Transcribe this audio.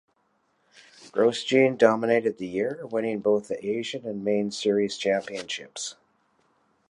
Grosjean dominated the year, winning both the Asian and main series championships.